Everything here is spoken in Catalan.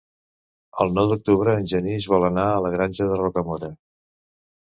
El nou d'octubre en Genís vol anar a la Granja de Rocamora.